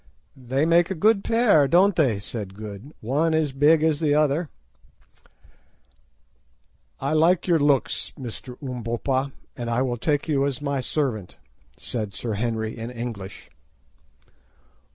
"They make a good pair, don't they?" said Good; "one as big as the other." "I like your looks, Mr. Umbopa, and I will take you as my servant," said Sir Henry in English.